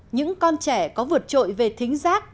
những con trẻ có vượt trội về thính giác